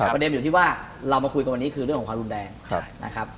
ประเด็นอยู่ที่ว่าเรามาคุยกันวันนี้คือเรื่องของความรุนแรงนะครับ